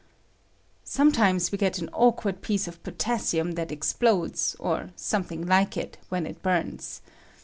] Sometimes we get an awkward piece of potaBsium that explodes, or something like it, when it burns.